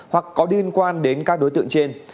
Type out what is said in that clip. hoặc có liên quan đến các đối tượng trên